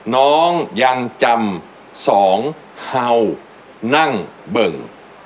น้องยังจำสองเห่านั่งเบิ่ง